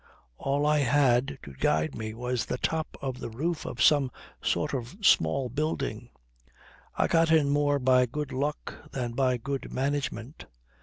All I had to guide me was the top of the roof of some sort of small building. I got in more by good luck than by good management.